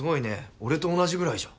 俺と同じぐらいじゃん。